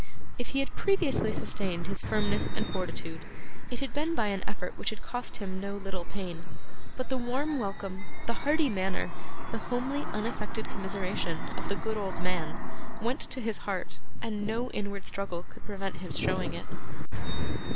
If he had previously sustained his firmness and fortitude, it had been by an effort which had cost him no little pain; but the warm welcome, the hearty manner, the homely unaffected commiseration, of the good old man, went to his heart, and no inward struggle could prevent his showing it.